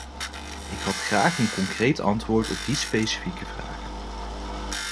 Ik had graag een concreet antwoord op die specifieke vragen.